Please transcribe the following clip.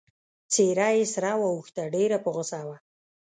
څېره يې سره واوښته، ډېره په غوسه وه.